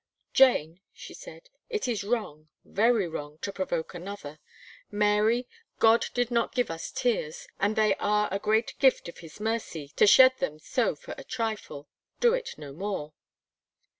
"Jane," she said, "it is wrong very wrong to provoke another. Mary, God did not give us tears and they are a great gift of his mercy to shed them so for a trifle. Do it no more."